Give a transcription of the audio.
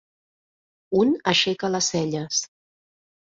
Un aixeca les celles.